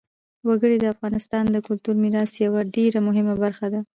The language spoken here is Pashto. وګړي د افغانستان د کلتوري میراث یوه ډېره مهمه برخه ده.